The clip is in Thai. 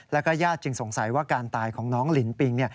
แล้วก็ญาติจึงสงสัยว่าการตายของน้องลินปิง